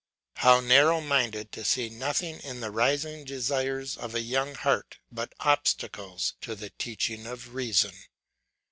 How narrow minded to see nothing in the rising desires of a young heart but obstacles to the teaching of reason.